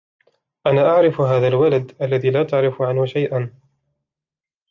أنا أعرف هذا الولد الذي لا تعرف عنه شيئا.